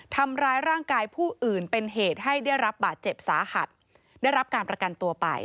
ทำร้ายร่างกายผู้อื่นเป็นเหตุให้ได้รับบาดเจ็บสาหัสได้รับการประกันตัวไป